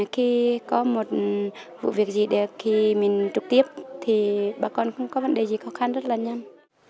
khi có một vụ việc gì để mình trục tiếp thì bà con không có vấn đề gì khó khăn rất là nhanh